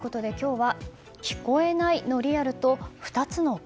ということで今日は聞こえないのリアルと２つの壁。